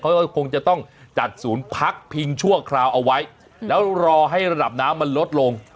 คงจะต้องจัดศูนย์พักพิงชั่วคราวเอาไว้แล้วรอให้ระดับน้ำมันลดลง